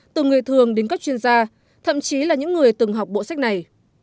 từ người thường đến các chuyên gia thậm chí là những người từng học bộ sách này